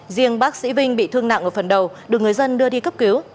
riêng bác sĩ vinh bị thương nặng ở phần đầu được người dân đưa đi cấp cứu